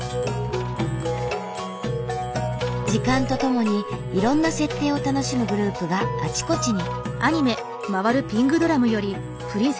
時間とともにいろんな設定を楽しむグループがあちこちに。